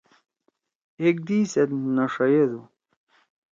ایک دیئی سیت نہ ݜیدُو۔